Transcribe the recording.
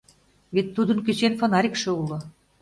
Вет тудын кӱсен фонарикше уло!